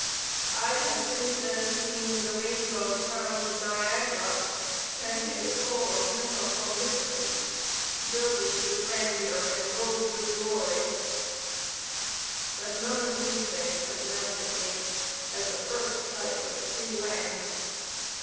I have since then seen the rainbow crowned Niagara chanting the choral hymn of Omnipotence, girdled with grandeur, and robed with glory; but none of these things have melted me as the first sight of Free Land.